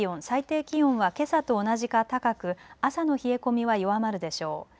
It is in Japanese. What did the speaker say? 最低気温はけさと同じか高く、朝の冷え込みは弱まるでしょう。